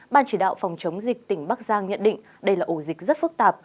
ban chỉ đạo phòng chống dịch tỉnh bắc giang nhận định đây là ổ dịch rất phức tạp